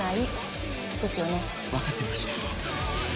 分かってました。